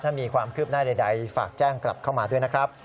ถ้ามีความคืบหน้าใดฝากแจ้งกลับเข้ามาด้วยนะครับ